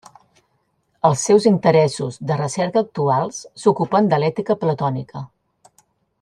Els seus interessos de recerca actuals s'ocupen de l'ètica platònica.